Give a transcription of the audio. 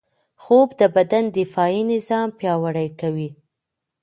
خوب د بدن دفاعي نظام پیاوړی کوي